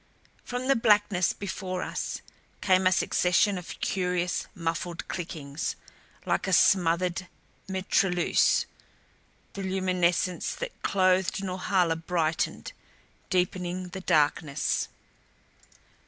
From the blackness before us came a succession of curious, muffled clickings, like a smothered mitrailleuse. The luminescence that clothed Norhala brightened, deepening the darkness.